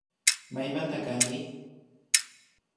Maymanta kanki